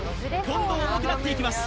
どんどん重くなっていきます